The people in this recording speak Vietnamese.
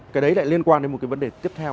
cái đấy lại liên quan đến một cái vấn đề tiếp theo